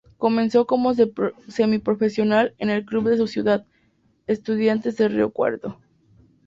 Comenzó como semi-profesional en el club de su ciudad, Estudiantes de Rio Cuarto.